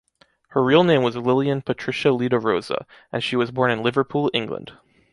Her real name was Lilian Patricia Lita Roza, and she was born in Liverpool, England.